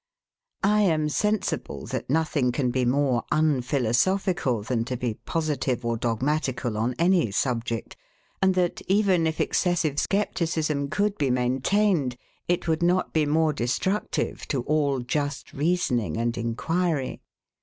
I am sensible, that nothing can be more unphilosophical than to be positive or dogmatical on any subject; and that, even if excessive scepticism could be maintained, it would not be more destructive to all just reasoning and inquiry.